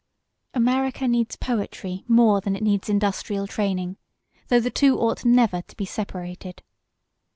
America needs poetry more than it needs industrial training; though the two ought never to be separated.